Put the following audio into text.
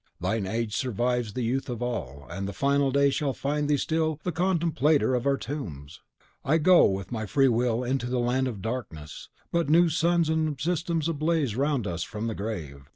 Thine age survives the youth of all; and the Final Day shall find thee still the contemplator of our tombs. I go with my free will into the land of darkness; but new suns and systems blaze around us from the grave.